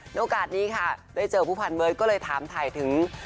โอกาสนี้ค่ะได้เจอผู้พันเบิร์ตก็เลยถามถ่ายถึง